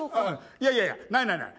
いやいやいやないないない。